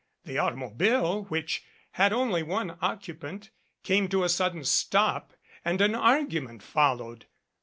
The automobile, which had only one occupant, came to a sudden stop and an argument followed.